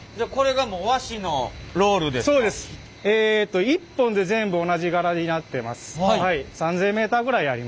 えと１本で全部同じ柄になってます。